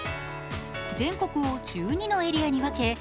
全国を１２のエリアに分け